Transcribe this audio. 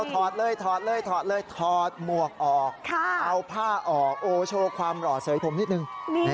ถอดถอดถอดถอดถอดหมวกออกเอาผ้าออกโอโชว์ความหล่อเสริฟผมนิดนึง